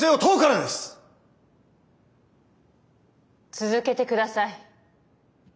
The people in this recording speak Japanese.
続けてください。